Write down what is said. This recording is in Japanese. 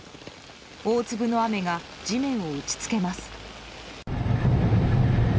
大粒の雨が地面を打ち付けます。